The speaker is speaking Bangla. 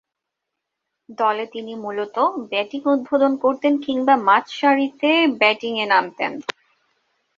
দলে তিনি মূলতঃ ব্যাটিং উদ্বোধন করতেন কিংবা মাঝারিসারিতে ব্যাটিংয়ে নামতেন।